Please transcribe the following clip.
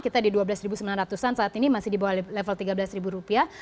kita di dua belas sembilan ratus an saat ini masih di bawah level tiga belas rupiah